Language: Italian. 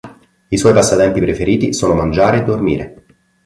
I suoi passatempi preferiti sono mangiare e dormire.